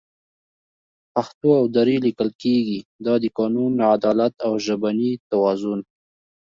پښتو او دري لیکل کېږي، دا د قانون، عدالت او ژبني توازن